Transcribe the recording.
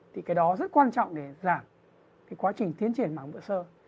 thì cái đó rất quan trọng để giảm quá trình tiến triển mạng vữa sơ